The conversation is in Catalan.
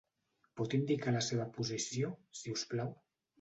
Pot indicar la seva posició, si us plau?